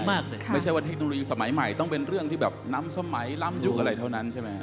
ไม่ใช่ว่าเทคโนโลยีสมัยใหม่ต้องเป็นเรื่องที่แบบล้ำสมัยล้ำยุคอะไรเท่านั้นใช่ไหม